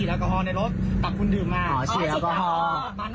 สำรวจคนนี้ที่ยื่นมือมีเค้ากินมา